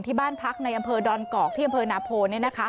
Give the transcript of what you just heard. ที่บ้านพักในอำเภอดอนกอกที่อำเภอนาโพ